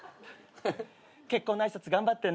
結婚の挨拶頑張ってね。